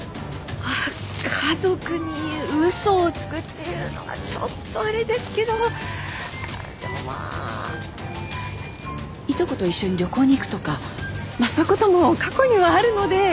あっ家族に嘘をつくっていうのがちょっとあれですけどでもまあいとこと一緒に旅行に行くとかまあそういうことも過去にはあるので。